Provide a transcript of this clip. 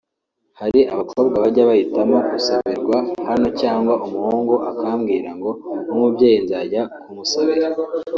Hari abakobwa bajya bahitamo gusabirwa hano cyangwa umuhungu akambwira ngo nk’umubyeyi nzajya kumusabira